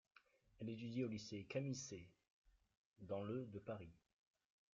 Elle étudie au lycée Camille-Sée, dans le de Paris.